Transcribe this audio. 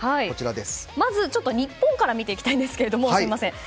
まず日本から見ていきたいんですがすみません。